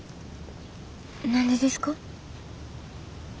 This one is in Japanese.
何でですか？